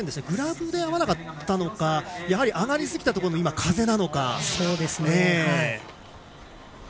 グラブで合わなかったのかやはり上がりすぎたところでの風なのか。